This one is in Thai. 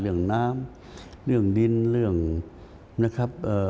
เรื่องน้ำเรื่องดินนะครับ